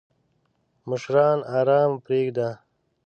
مشران آرام پریږده!